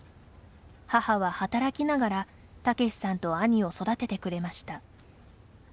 母は働きながらタケシさんと兄を育ててくれました。